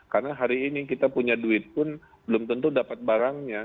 karena hari ini kita punya duit pun belum tentu dapat barangnya